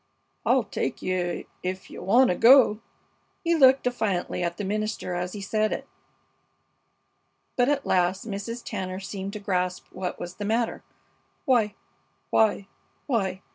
"I'll take you ef you wanta go." He looked defiantly at the minister as he said it. But at last Mrs. Tanner seemed to grasp what was the matter. "Why! why! why!